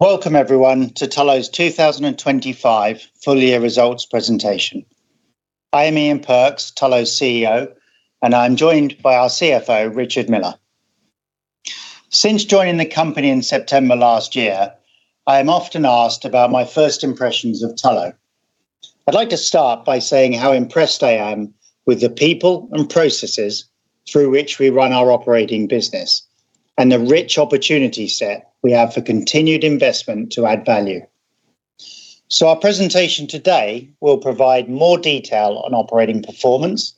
Welcome everyone to Tullow's 2025 full year results presentation. I am Ian Perks, Tullow's CEO, and I'm joined by our CFO, Richard Miller. Since joining the company in September last year, I am often asked about my first impressions of Tullow. I'd like to start by saying how impressed I am with the people and processes through which we run our operating business, and the rich opportunity set we have for continued investment to add value. Our presentation today will provide more detail on operating performance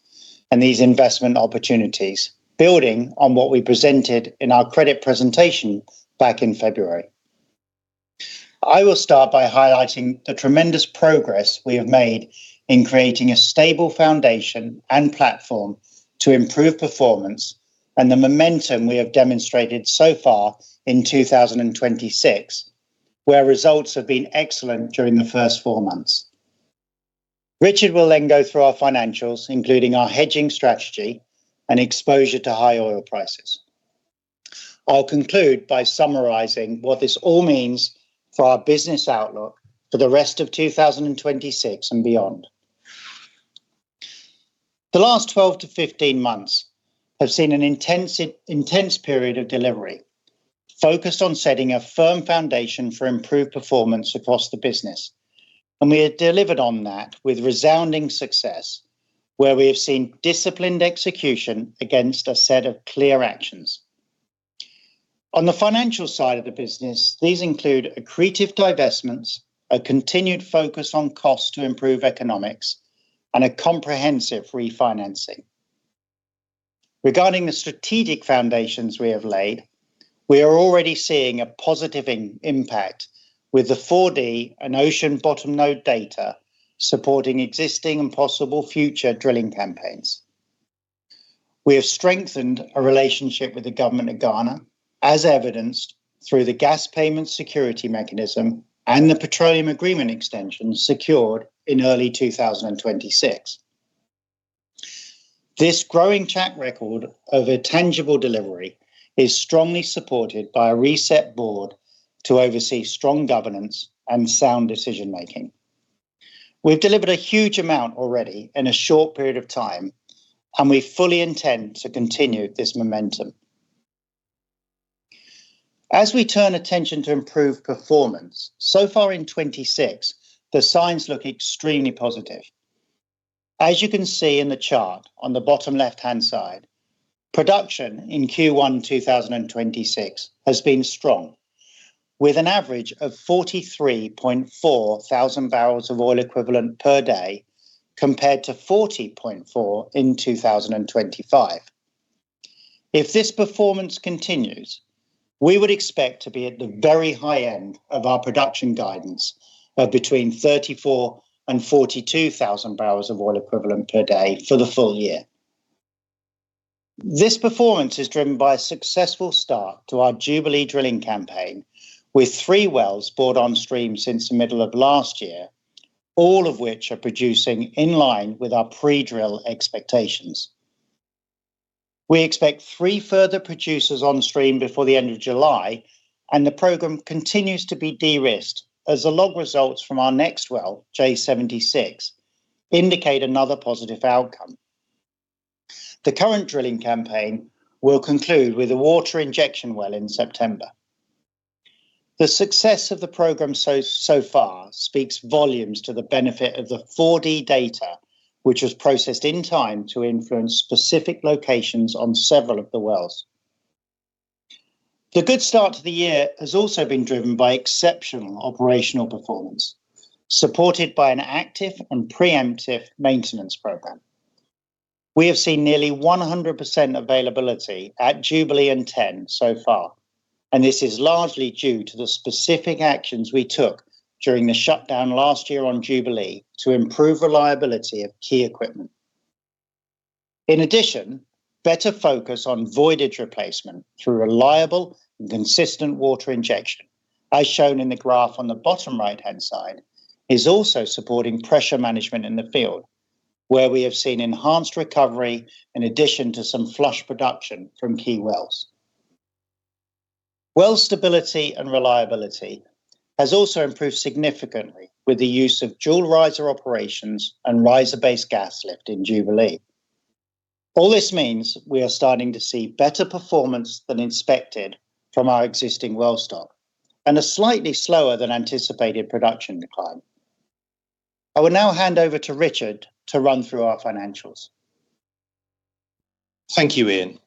and these investment opportunities, building on what we presented in our credit presentation back in February. I will start by highlighting the tremendous progress we have made in creating a stable foundation and platform to improve performance and the momentum we have demonstrated so far in 2026, where results have been excellent during the first four months. Richard will then go through our financials, including our hedging strategy and exposure to high oil prices. I'll conclude by summarizing what this all means for our business outlook for the rest of 2026 and beyond. The last 12-15 months have seen an intense period of delivery focused on setting a firm foundation for improved performance across the business, and we have delivered on that with resounding success, where we have seen disciplined execution against a set of clear actions. On the financial side of the business, these include accretive divestments, a continued focus on costs to improve economics, and a comprehensive refinancing. Regarding the strategic foundations we have laid, we are already seeing a positive impact with the 4D and ocean bottom node data supporting existing and possible future drilling campaigns. We have strengthened a relationship with the Government of Ghana, as evidenced through the gas payment security mechanism and the petroleum agreement extension secured in early 2026. This growing track record of a tangible delivery is strongly supported by a reset board to oversee strong governance and sound decision-making. We've delivered a huge amount already in a short period of time, and we fully intend to continue this momentum. As we turn attention to improved performance, so far in 2026 the signs look extremely positive. As you can see in the chart on the bottom left-hand side, production in Q1 2026 has been strong, with an average of 43,400 bbl of oil equivalent per day compared to 40,400 in 2025. If this performance continues, we would expect to be at the very high end of our production guidance of between 34,000 and 42,000 bbl of oil equivalent per day for the full year. This performance is driven by a successful start to our Jubilee drilling campaign, with three wells brought on stream since the middle of last year, all of which are producing in line with our pre-drill expectations. We expect three further producers on stream before the end of July, and the program continues to be de-risked as the log results from our next well, J-76, indicate another positive outcome. The current drilling campaign will conclude with a water injection well in September. The success of the program so far speaks volumes to the benefit of the 4D data, which was processed in time to influence specific locations on several of the wells. The good start to the year has also been driven by exceptional operational performance, supported by an active and preemptive maintenance program. We have seen nearly 100% availability at Jubilee and TEN so far, and this is largely due to the specific actions we took during the shutdown last year on Jubilee to improve reliability of key equipment. In addition, better focus on voidage replacement through reliable, consistent water injection, as shown in the graph on the bottom right-hand side, is also supporting pressure management in the field, where we have seen enhanced recovery in addition to some flush production from key wells. Well stability and reliability has also improved significantly with the use of dual riser operations and riser-based gas lift in Jubilee. All this means we are starting to see better performance than expected from our existing well stock, and a slightly slower than anticipated production decline. I will now hand over to Richard to run through our financials. Thank you, Ian.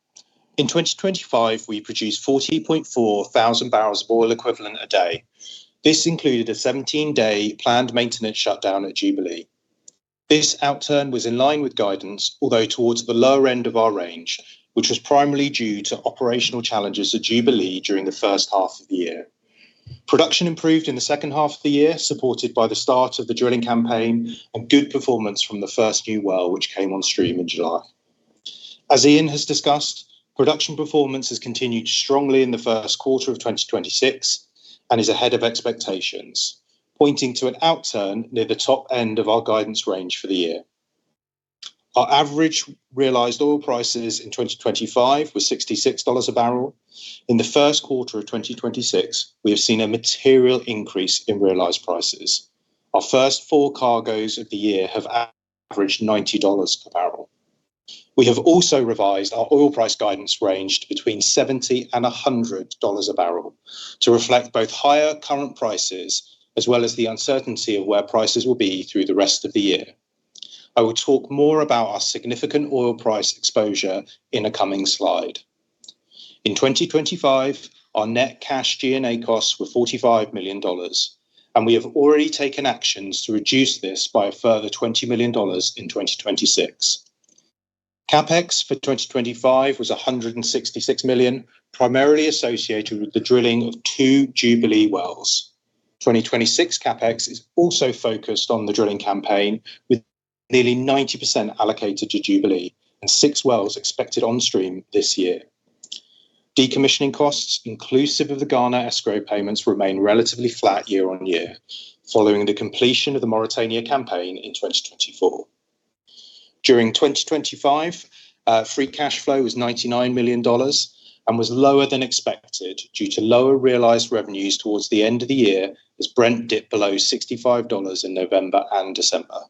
In 2025, we produced 40,400 barrels of oil equivalent a day. This included a 17-day planned maintenance shutdown at Jubilee. This outturn was in line with guidance, although towards the lower end of our range, which was primarily due to operational challenges at Jubilee during the first half of the year. Production improved in the second half of the year, supported by the start of the drilling campaign and good performance from the first new well which came on stream in July. As Ian has discussed, production performance has continued strongly in the first quarter of 2026 and is ahead of expectations, pointing to an outturn near the top end of our guidance range for the year. Our average realized oil prices in 2025 were $66 a barrel. In the first quarter of 2026, we have seen a material increase in realized prices. Our first four cargoes of the year have averaged $90 per barrel. We have also revised our oil price guidance range between $70-$100 a barrel to reflect both higher current prices as well as the uncertainty of where prices will be through the rest of the year. I will talk more about our significant oil price exposure in a coming slide. In 2025, our net cash G&A costs were $45 million, and we have already taken actions to reduce this by a further $20 million in 2026. CapEx for 2025 was $166 million, primarily associated with the drilling of two Jubilee wells. 2026 CapEx is also focused on the drilling campaign, with nearly 90% allocated to Jubilee and six wells expected onstream this year. Decommissioning costs inclusive of the Ghana escrow payments remain relatively flat year-on-year following the completion of the Mauritania campaign in 2024. During 2025, free cash flow was $99 million and was lower than expected due to lower realized revenues towards the end of the year as Brent dipped below $65 in November and December.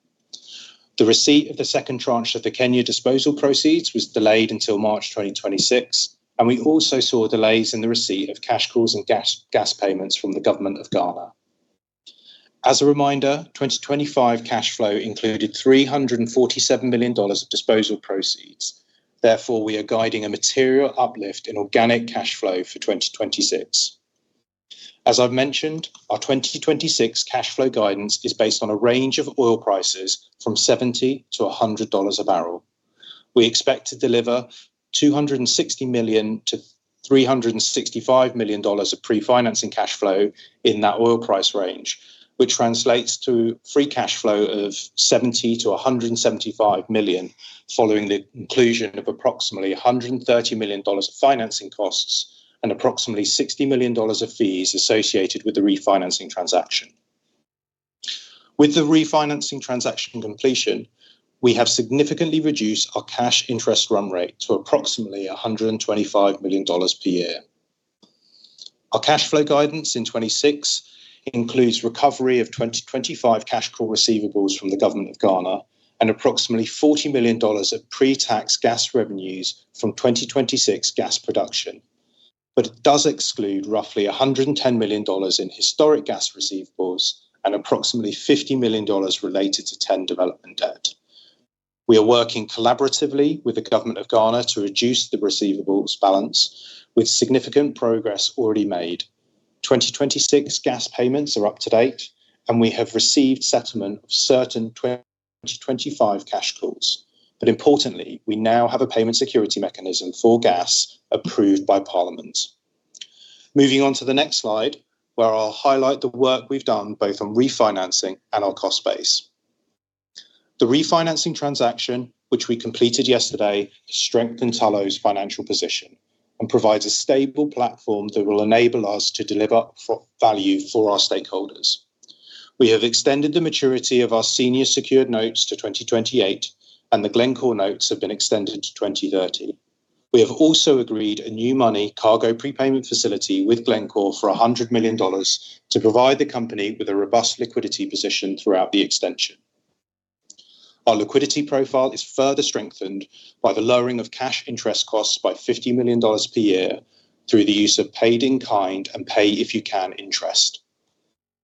The receipt of the second tranche of the Kenya disposal proceeds was delayed until March 2026, and we also saw delays in the receipt of cash calls and gas payments from the Government of Ghana. As a reminder, 2025 cash flow included $347 million of disposal proceeds. Therefore, we are guiding a material uplift in organic cash flow for 2026. As I've mentioned, our 2026 cash flow guidance is based on a range of oil prices from $70-$100 per barrel. We expect to deliver $260 million-$365 million of pre-financing cash flow in that oil price range, which translates to free cash flow of $70 million-$175 million following the inclusion of approximately $130 million of financing costs and approximately $60 million of fees associated with the refinancing transaction. With the refinancing transaction completion, we have significantly reduced our cash interest run rate to approximately $125 million per year. Our cash flow guidance in 2026 includes recovery of 2025 cash call receivables from the Government of Ghana and approximately $40 million of pre-tax gas revenues from 2026 gas production. It does exclude roughly $110 million in historic gas receivables and approximately $50 million related to TEN development debt. We are working collaboratively with the Government of Ghana to reduce the receivables balance with significant progress already made. 2026 gas payments are up to date, and we have received settlement of certain 2025 cash calls. Importantly, we now have a payment security mechanism for gas approved by Parliament. Moving on to the next slide, where I'll highlight the work we've done both on refinancing and our cost base. The refinancing transaction, which we completed yesterday, strengthened Tullow's financial position and provides a stable platform that will enable us to deliver value for our stakeholders. We have extended the maturity of our senior secured notes to 2028, and the Glencore notes have been extended to 2030. We have also agreed a new money cargo prepayment facility with Glencore for $100 million to provide the company with a robust liquidity position throughout the extension. Our liquidity profile is further strengthened by the lowering of cash interest costs by $50 million per year through the use of paid-in-kind and pay-if-you-can interest.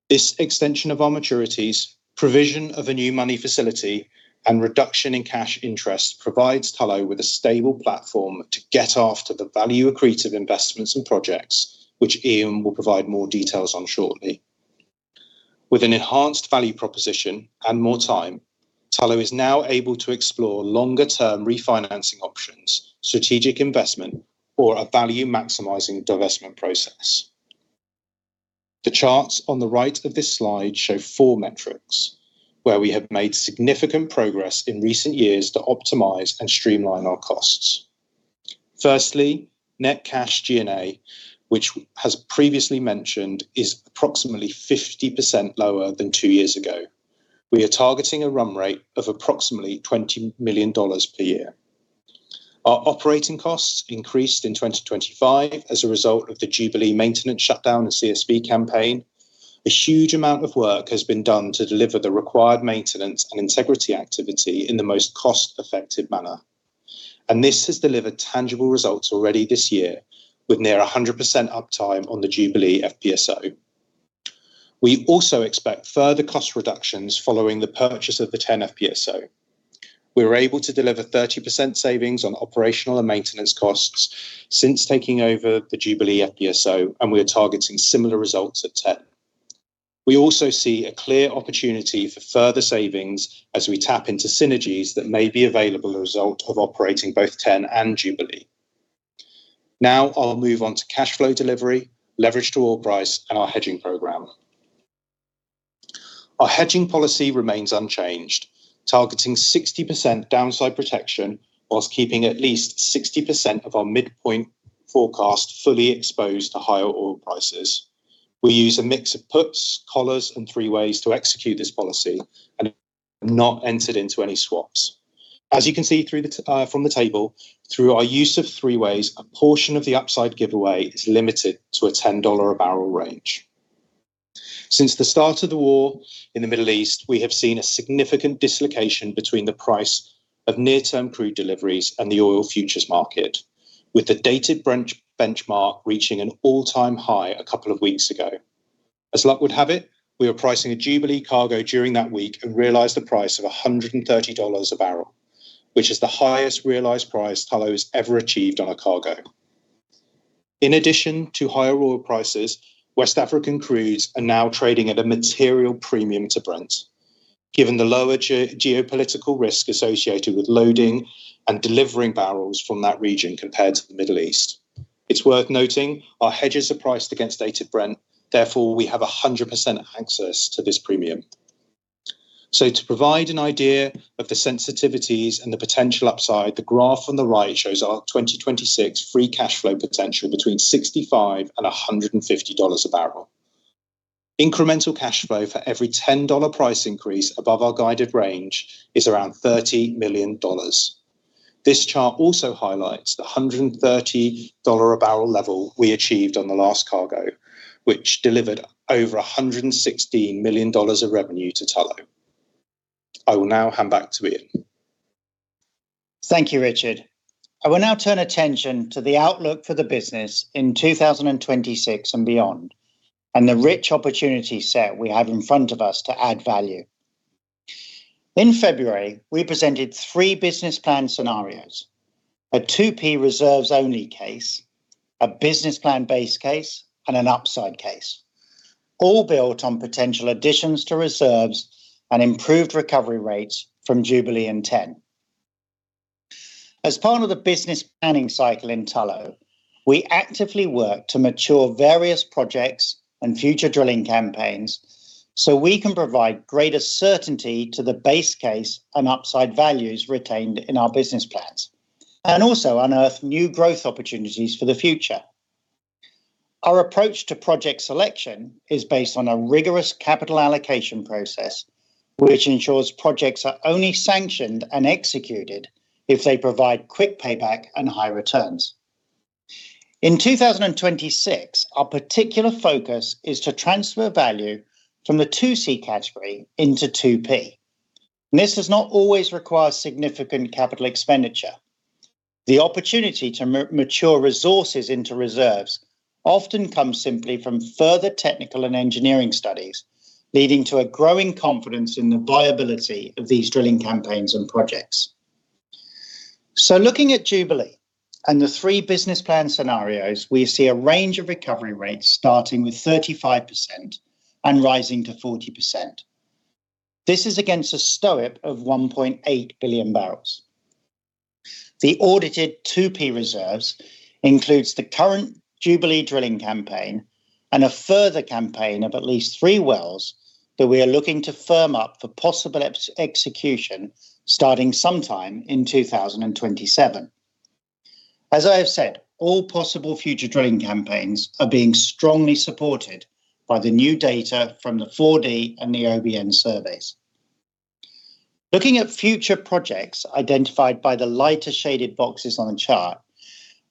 This extension of our maturities, provision of a new money facility, and reduction in cash interest provides Tullow with a stable platform to go after the value accretive investments and projects which Ian will provide more details on shortly. With an enhanced value proposition and more time, Tullow is now able to explore longer-term refinancing options, strategic investment, or a value-maximizing divestment process. The charts on the right of this slide show four metrics where we have made significant progress in recent years to optimize and streamline our costs. Firstly, net cash G&A, which has been previously mentioned, is approximately 50% lower than two years ago. We are targeting a run rate of approximately $20 million per year. Our operating costs increased in 2025 as a result of the Jubilee maintenance shutdown and CSV campaign. A huge amount of work has been done to deliver the required maintenance and integrity activity in the most cost-effective manner. This has delivered tangible results already this year with near 100% uptime on the Jubilee FPSO. We also expect further cost reductions following the purchase of the TEN FPSO. We were able to deliver 30% savings on operational and maintenance costs since taking over the Jubilee FPSO, and we are targeting similar results at TEN. We also see a clear opportunity for further savings as we tap into synergies that may be available as a result of operating both TEN and Jubilee. Now I'll move on to cash flow delivery, leverage to oil price, and our hedging program. Our hedging policy remains unchanged, targeting 60% downside protection whilst keeping at least 60% of our midpoint forecast fully exposed to higher oil prices. We use a mix of puts, collars, and three-ways to execute this policy, and have not entered into any swaps. As you can see from the table, through our use of three-ways, a portion of the upside giveaway is limited to a $10-a-barrel range. Since the start of the war in the Middle East, we have seen a significant dislocation between the price of near-term crude deliveries and the oil futures market, with the Dated Brent benchmark reaching an all-time high a couple of weeks ago. As luck would have it, we were pricing a Jubilee cargo during that week and realized the price of $130 a barrel, which is the highest realized price Tullow has ever achieved on a cargo. In addition to higher oil prices, West African crudes are now trading at a material premium to Brent, given the lower geopolitical risk associated with loading and delivering barrels from that region compared to the Middle East. It's worth noting our hedges are priced against Dated Brent, therefore, we have 100% access to this premium. To provide an idea of the sensitivities and the potential upside, the graph on the right shows our 2026 free cash flow potential between $65 and $150 a barrel. Incremental cash flow for every $10 price increase above our guided range is around $30 million. This chart also highlights the $130 a barrel level we achieved on the last cargo, which delivered over $116 million of revenue to Tullow. I will now hand back to Ian. Thank you, Richard. I will now turn attention to the outlook for the business in 2026 and beyond, and the rich opportunity set we have in front of us to add value. In February, we presented three business plan scenarios, a 2P reserves only case, a business plan base case, and an upside case, all built on potential additions to reserves and improved recovery rates from Jubilee and TEN. As part of the business planning cycle in Tullow, we actively work to mature various projects and future drilling campaigns so we can provide greater certainty to the base case and upside values retained in our business plans, and also unearth new growth opportunities for the future. Our approach to project selection is based on a rigorous capital allocation process, which ensures projects are only sanctioned and executed if they provide quick payback and high returns. In 2026, our particular focus is to transfer value from the 2C category into 2P, and this does not always require significant capital expenditure. The opportunity to mature resources into reserves often comes simply from further technical and engineering studies, leading to a growing confidence in the viability of these drilling campaigns and projects. Looking at Jubilee and the three business plan scenarios, we see a range of recovery rates starting with 35%-40%. This is against a STOIIP of 1.8 billion bbl. The audited 2P reserves includes the current Jubilee drilling campaign and a further campaign of at least three wells that we are looking to firm up for possible execution, starting sometime in 2027. As I have said, all possible future drilling campaigns are being strongly supported by the new data from the 4D and the OBN surveys. Looking at future projects identified by the lighter shaded boxes on the chart,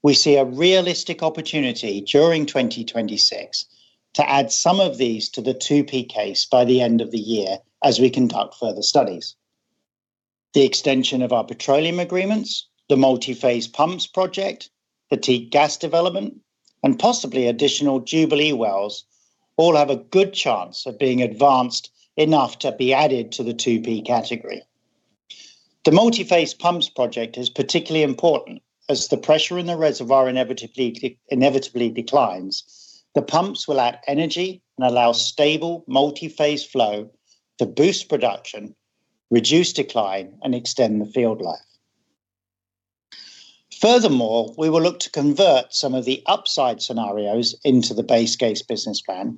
we see a realistic opportunity during 2026 to add some of these to the 2P case by the end of the year as we conduct further studies. The extension of our petroleum agreements, the multi-phase pumps project, the Teak gas development, and possibly additional Jubilee wells all have a good chance of being advanced enough to be added to the 2P category. The multi-phase pumps project is particularly important, as the pressure in the reservoir inevitably declines. The pumps will add energy and allow stable multi-phase flow to boost production, reduce decline, and extend the field life. Furthermore, we will look to convert some of the upside scenarios into the base case business plan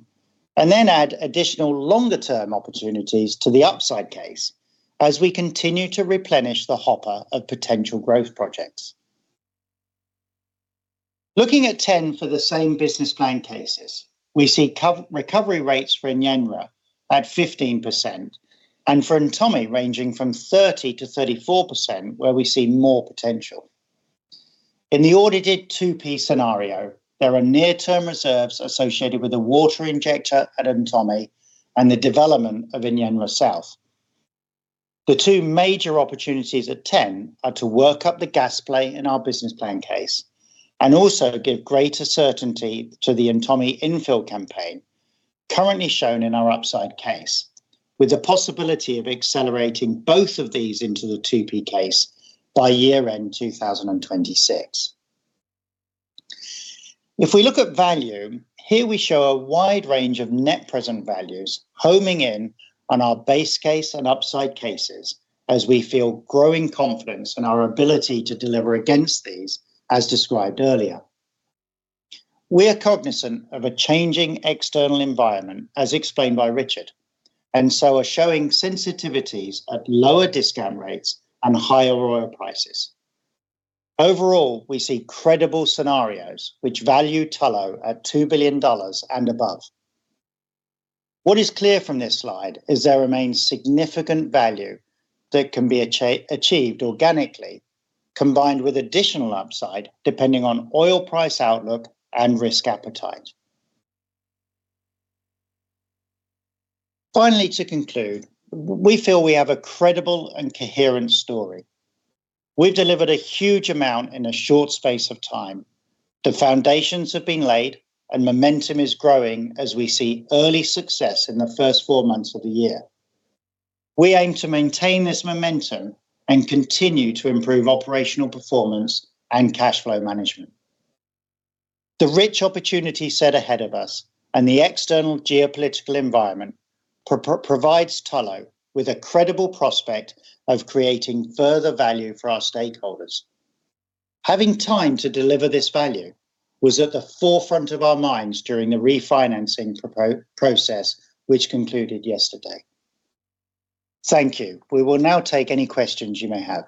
and then add additional longer-term opportunities to the upside case as we continue to replenish the hopper of potential growth projects. Looking at TEN for the same business plan cases, we see recovery rates for Enyenra at 15%, and for Ntomme ranging from 30%-34%, where we see more potential. In the audited 2P scenario, there are near-term reserves associated with a water injector at Ntomme, and the development of Enyenra South. The two major opportunities at TEN are to work up the gas play in our business plan case and also give greater certainty to the Ntomme infill campaign currently shown in our upside case, with the possibility of accelerating both of these into the 2P case by year-end 2026. If we look at value, here we show a wide range of net present values homing in on our base case and upside cases as we feel growing confidence in our ability to deliver against these, as described earlier. We are cognizant of a changing external environment, as explained by Richard, and so are showing sensitivities at lower discount rates and higher oil prices. Overall, we see credible scenarios which value Tullow at $2 billion and above. What is clear from this slide is there remains significant value that can be achieved organically, combined with additional upside depending on oil price outlook and risk appetite. Finally, to conclude, we feel we have a credible and coherent story. We've delivered a huge amount in a short space of time. The foundations have been laid, and momentum is growing as we see early success in the first four months of the year. We aim to maintain this momentum and continue to improve operational performance and cash flow management. The rich opportunity set ahead of us and the external geopolitical environment provides Tullow with a credible prospect of creating further value for our stakeholders. Having time to deliver this value was at the forefront of our minds during the refinancing process, which concluded yesterday. Thank you. We will now take any questions you may have.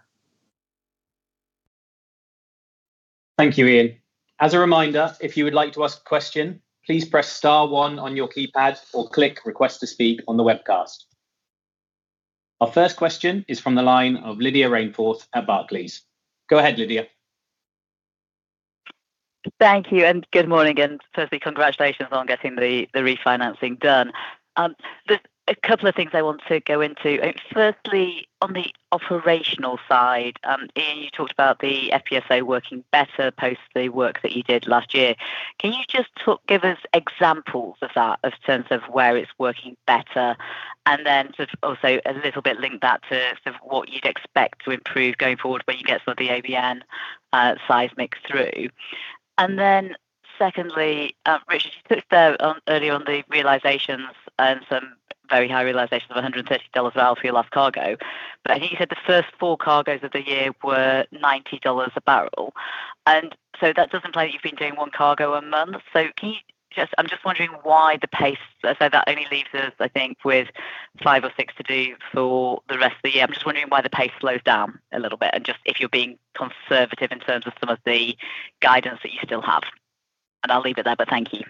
Thank you, Ian. As a reminder, if you would like to ask a question, please press star one on your keypad or click Request to speak on the webcast. Our first question is from the line of Lydia Rainforth at Barclays. Go ahead, Lydia. Thank you, and good morning. Firstly, congratulations on getting the refinancing done. There's a couple of things I want to go into. Firstly, on the operational side, Ian, you talked about the FPSO working better post the work that you did last year. Can you just give us examples of that, of sense of where it's working better? Then sort of also a little bit link that to, sort of what you'd expect to improve going forward when you get sort of the OBN seismic through. Secondly, Richard, you touched on early on the realizations and some very high realization of $130 value for your last cargo. I think you said the first four cargoes of the year were $90 a barrel, and so that doesn't play, you've been doing one cargo a month. Can you just... I'm just wondering why the pace, so that only leaves us, I think, with five or six to do for the rest of the year. I'm just wondering why the pace slows down a little bit and just if you're being conservative in terms of some of the guidance that you still have. I'll leave it there, but thank you.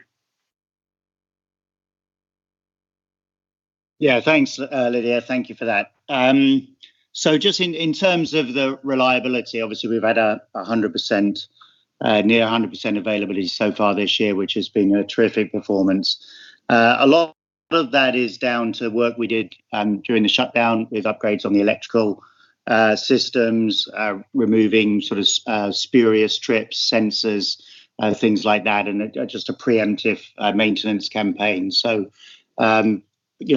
Yeah. Thanks, Lydia. Thank you for that. Just in terms of the reliability, obviously we've had 100%, near 100% availability so far this year, which has been a terrific performance. A lot of that is down to work we did during the shutdown with upgrades on the electrical systems, removing sort of spurious trips, sensors, things like that, and just a preemptive maintenance campaign. You know,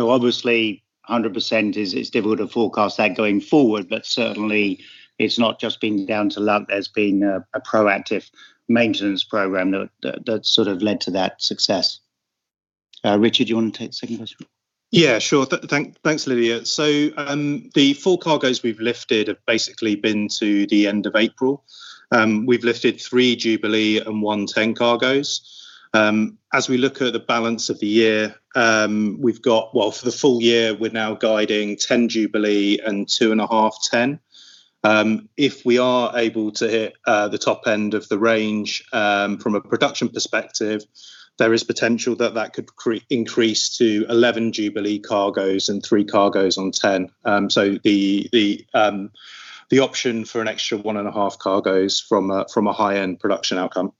obviously 100% is difficult to forecast that going forward, but certainly it's not just been down to luck. There's been a proactive maintenance program that sort of led to that success. Richard, you wanna take the second question? Yeah, sure. Thanks, Lydia. The four cargoes we've lifted have basically been to the end of April. We've lifted three Jubilee and one TEN cargoes. As we look at the balance of the year, for the full year, we're now guiding 10 Jubilee and 2.5 TEN. If we are able to hit the top end of the range from a production perspective, there is potential that that could increase to 11 Jubilee cargoes and three cargoes on TEN. The option for an extra 1.5 cargoes from a high-end production outcome.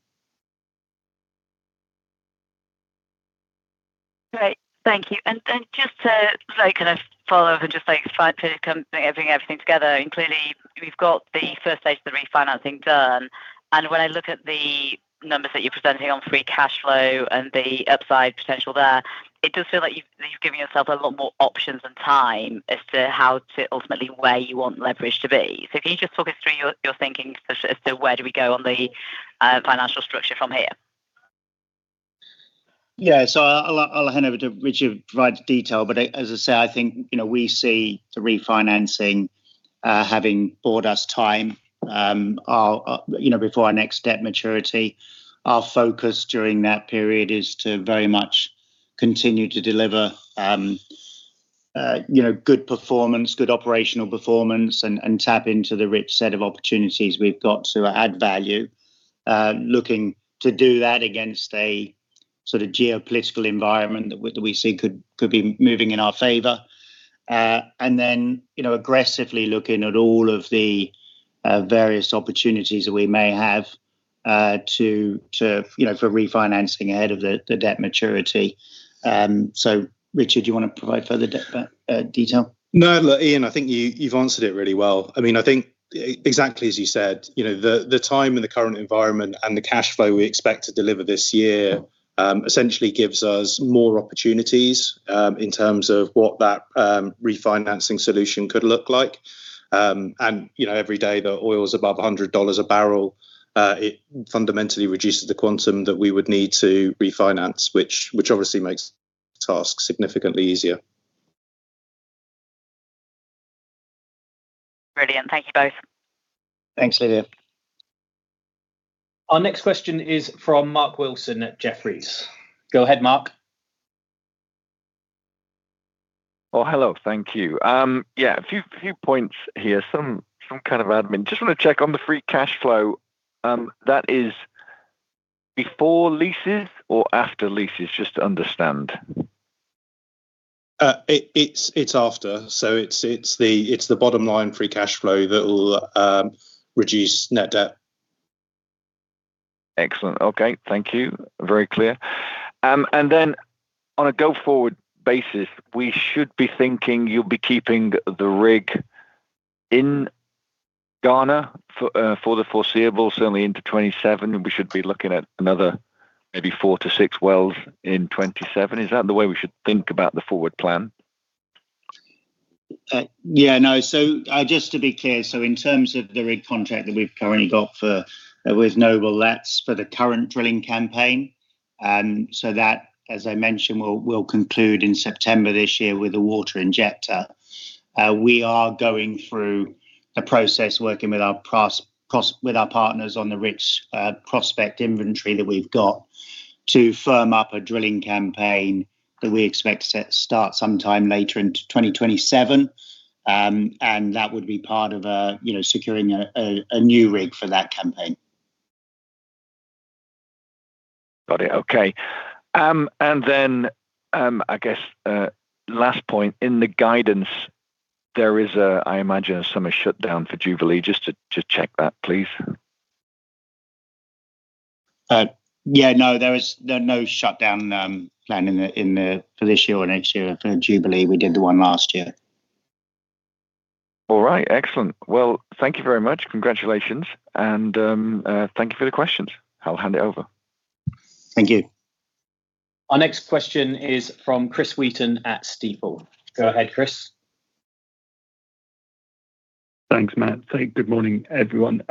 Great. Thank you. Then just to like kind of follow up and just like start to kind of bring everything together, clearly we've got the first stage of the refinancing done, and when I look at the numbers that you're presenting on free cash flow and the upside potential there, it does feel like you've given yourself a lot more options and time as to how to ultimately where you want leverage to be. Can you just talk us through your thinking as to where do we go on the financial structure from here? Yeah. I'll hand over to Richard to provide the detail, but as I say, I think, you know, we see the refinancing having bought us time before our next debt maturity. Our focus during that period is to very much continue to deliver good performance, good operational performance and tap into the rich set of opportunities we've got to add value, looking to do that against a sort of geopolitical environment that we see could be moving in our favor. And then, you know, aggressively looking at all of the various opportunities that we may have to for refinancing ahead of the debt maturity. Richard, do you wanna provide further detail? No, look, Ian, I think you've answered it really well. I mean, I think exactly as you said, you know, the time and the current environment and the cash flow we expect to deliver this year essentially gives us more opportunities in terms of what that refinancing solution could look like. You know, every day the oil is above $100 a barrel it fundamentally reduces the quantum that we would need to refinance, which obviously makes the task significantly easier. Brilliant. Thank you both. Thanks, Lydia. Our next question is from Mark Wilson at Jefferies. Go ahead, Mark. Oh, hello. Thank you. Yeah, a few points here. Some kind of admin. Just want to check on the free cash flow, that is before leases or after leases, just to understand. It's after, so it's the bottom line free cash flow that will reduce net debt. Excellent. Okay, thank you. Very clear. On a going forward basis, we should be thinking you'll be keeping the rig in Ghana for the foreseeable, certainly into 2027, and we should be looking at another maybe four to six wells in 2027. Is that the way we should think about the forward plan? Just to be clear, in terms of the rig contract that we've currently got with Noble for the current drilling campaign, that, as I mentioned, will conclude in September this year with the water injector. We are going through the process working with our partners on the rich prospect inventory that we've got to firm up a drilling campaign that we expect to start sometime later in 2027. That would be part of securing a new rig for that campaign, you know. Got it. Okay. I guess last point. In the guidance, there is a, I imagine, a summer shutdown for Jubilee, just to check that, please. Yeah, no, there are no shutdown planned for this year or next year for Jubilee. We did the one last year. All right. Excellent. Well, thank you very much. Congratulations, and thank you for the questions. I'll hand it over. Thank you. Our next question is from Chris Wheaton at Stifel. Go ahead, Chris. Thanks, Matt. Good morning everyone.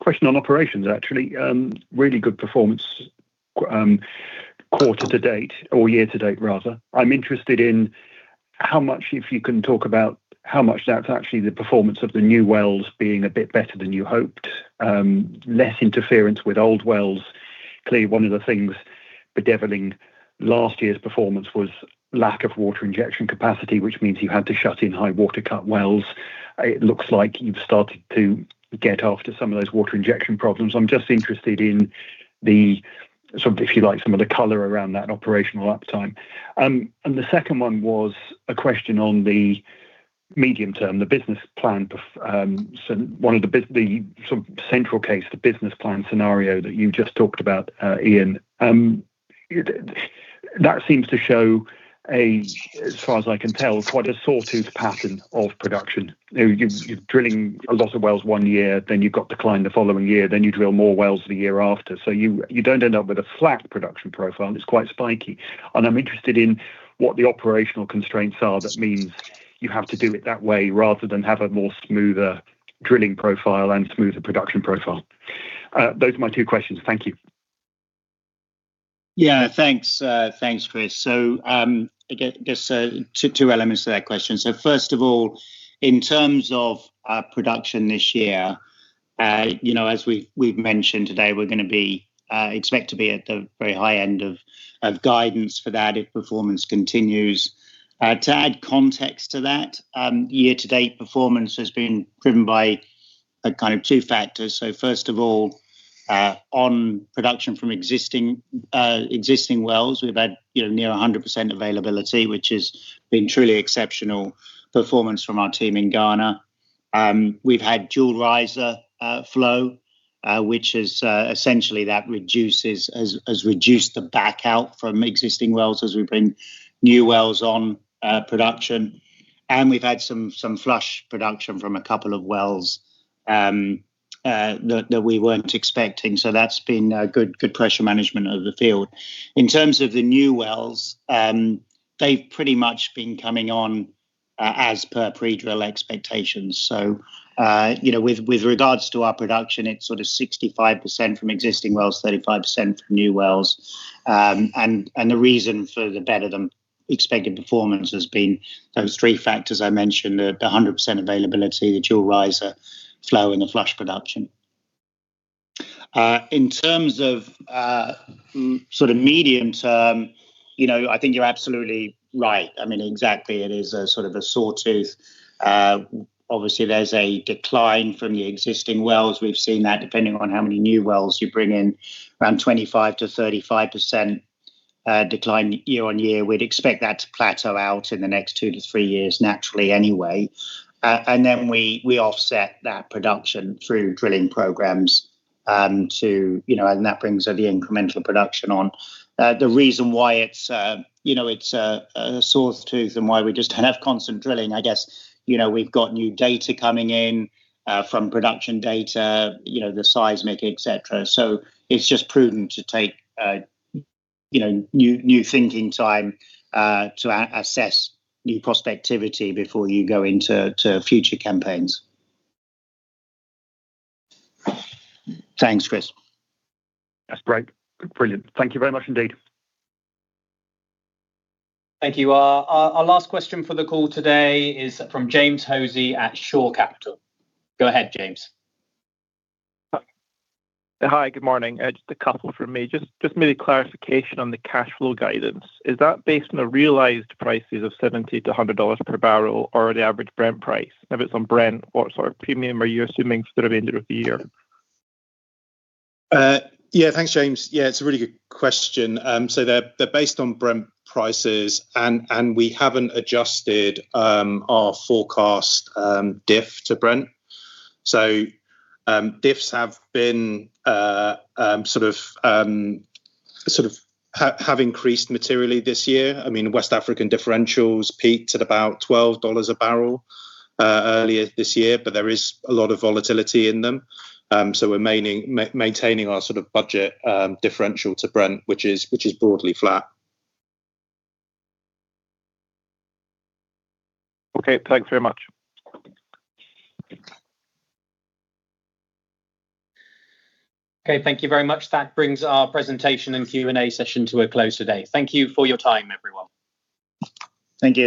Question on operations actually. Really good performance, quarter to date or year to date rather. I'm interested in how much, if you can talk about how much that's actually the performance of the new wells being a bit better than you hoped, less interference with old wells. Clearly, one of the things bedeviling last year's performance was lack of water injection capacity, which means you had to shut in high water cut wells. It looks like you've started to get after some of those water injection problems. I'm just interested in the sort of, if you like, some of the color around that operational uptime. The second one was a question on the medium term, the business plan. One of the sort of central case, the business plan scenario that you've just talked about, Ian. That seems to show a, as far as I can tell, quite a sawtooth pattern of production. You're drilling a lot of wells one year, then you've got decline the following year, then you drill more wells the year after. So you don't end up with a flat production profile. It's quite spiky, and I'm interested in what the operational constraints are that means you have to do it that way rather than have a more smoother drilling profile and smoother production profile. Those are my two questions. Thank you. Yeah, thanks. Thanks, Chris. I guess two elements to that question. First of all, in terms of our production this year, you know, as we've mentioned today, we expect to be at the very high end of guidance for that if performance continues. To add context to that, year to date performance has been driven by two factors. First of all, on production from existing wells, we've had, you know, near 100% availability, which has been truly exceptional performance from our team in Ghana. We've had dual riser flow, which has essentially reduced the backout from existing wells as we bring new wells on production, and we've had some flush production from a couple of wells that we weren't expecting. That's been good pressure management over the field. In terms of the new wells, they've pretty much been coming on as per pre-drill expectations. You know, with regards to our production, it's sort of 65% from existing wells, 35% from new wells. And the reason for the better than expected performance has been those three factors I mentioned, the 100% availability, the dual riser flow, and the flush production. In terms of sort of medium term, you know, I think you're absolutely right. I mean, exactly, it is a sort of a sawtooth. Obviously there's a decline from the existing wells. We've seen that depending on how many new wells you bring in, around 25%-35% decline year-on-year. We'd expect that to plateau out in the next two to three years naturally anyway. Then we offset that production through drilling programs to you know and that brings the incremental production on. The reason why it's you know it's a sawtooth and why we just don't have constant drilling, I guess, you know, we've got new data coming in from production data, you know, the seismic, et cetera. It's just prudent to take you know new thinking time to assess new prospectivity before you go into future campaigns. Thanks, Chris. That's great. Brilliant. Thank you very much indeed. Thank you. Our last question for the call today is from James Hosie at Shore Capital. Go ahead, James. Hi. Good morning. Just a couple from me. Just merely clarification on the cash flow guidance. Is that based on the realized prices of $70-$100 per barrel or the average Brent price? If it's on Brent, what sort of premium are you assuming for the remainder of the year? Yeah, thanks, James. Yeah, it's a really good question. They're based on Brent prices and we haven't adjusted our forecast diff to Brent. Diffs have been sort of have increased materially this year. I mean, West African differentials peaked at about $12 a barrel earlier this year, but there is a lot of volatility in them. We're maintaining our sort of budget differential to Brent, which is broadly flat. Okay. Thanks very much. Okay. Thank you very much. That brings our presentation and Q&A session to a close today. Thank you for your time, everyone. Thank you.